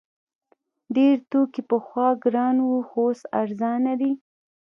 ډیر توکي پخوا ګران وو خو اوس ارزانه دي.